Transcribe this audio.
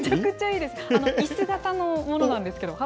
いす型のものなんですけど。